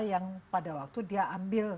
yang pada waktu dia ambil